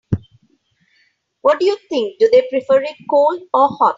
What do you think, do they prefer it cold or hot?